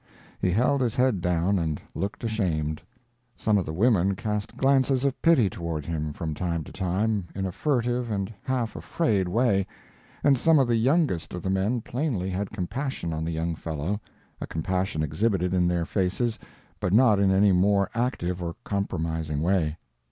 He held his head down and looked ashamed. Some of the women cast glances of pity toward him from time to time in a furtive and half afraid way, and some of the youngest of the men plainly had compassion on the young fellow—a compassion exhibited in their faces but not in any more active or compromising way.